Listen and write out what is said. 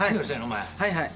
はい。